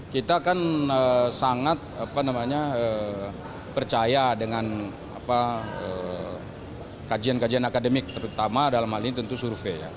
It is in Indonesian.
kita kan sangat percaya dengan kajian kajian akademik terutama dalam hal ini tentu survei ya